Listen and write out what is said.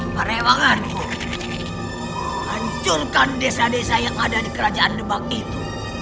parewangan hancurkan desa desa yang ada di kerajaan debak itu